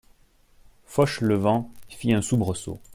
Fauchelevent fit un soubresaut.